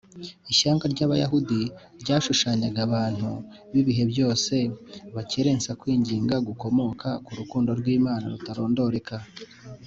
ishyanga ry’abayahudi ryashushyanyaga abantu b’ibihe byose bakerensa kwinginga gukomoka ku rukundo rw’imana rutarondoreka